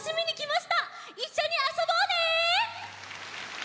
いっしょにあそぼうね！